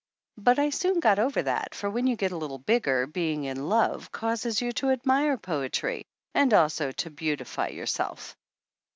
But I soon got over that, for when you get a little bigger being in love causes you to admire poetry and also to beautify your self.